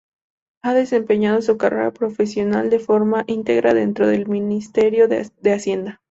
Ha desempeñado su carrera profesional de forma íntegra dentro del Ministerio de Hacienda.